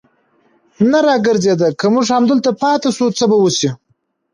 نه را ګرځېده، که موږ همدلته پاتې شو، څه به وشي.